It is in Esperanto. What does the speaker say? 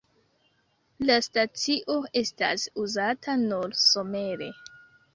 La stacio estas uzata nur somere.